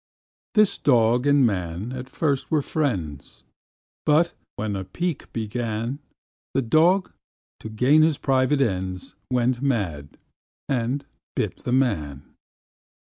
This dog and man at first were friends; But when a pique began, The dog, to gain his private ends, Went mad, and bit the man.